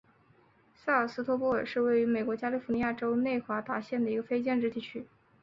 塞瓦斯托波尔是位于美国加利福尼亚州内华达县的一个非建制地区。